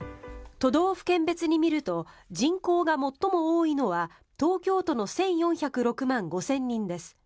都道府県別に見ると人口が最も多いのは東京都の１４０６万５０００人です。